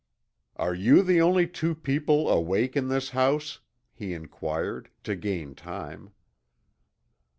"Are you the only two people awake in this house?" he inquired, to gain time.